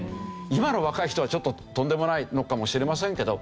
今の若い人はちょっととんでもないのかもしれませんけど。